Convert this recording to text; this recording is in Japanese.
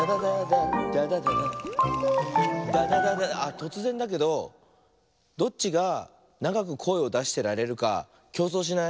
とつぜんだけどどっちがながくこえをだしてられるかきょうそうしない？